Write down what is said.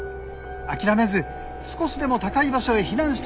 諦めず少しでも高い場所へ避難してください。